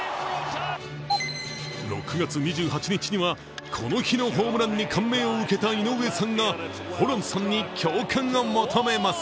６月２８日には、この日のホームランに感銘を受けた井上さんがホランさんに共感を求めます。